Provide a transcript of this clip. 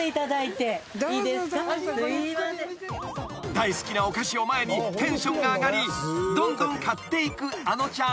［大好きなお菓子を前にテンションが上がりどんどん買っていくあのちゃん］